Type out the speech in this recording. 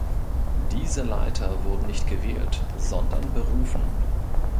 Diese Leiter wurden nicht gewählt, sondern berufen.